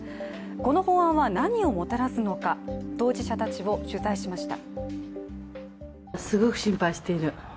この法案は何をもたらすのか当事者たちを取材しました。